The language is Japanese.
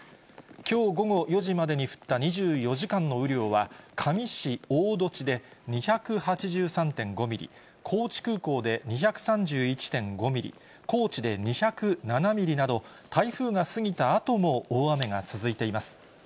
きょう午後４時までに降った２４時間の雨量は、香美市大栃で２８３．５ミリ、高知空港で２３１．５ミリ、高知で２０７ミリなど、台風が過ぎたあとも大雨が続いています。